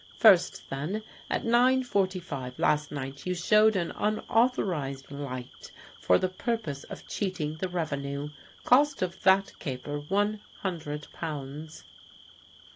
First, then, at nine forty five last night you showed an unauthorised light for the purpose of cheating the revenue. Cost of that caper, one hundred pounds."